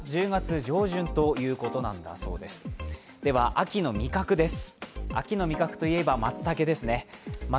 秋の味覚です。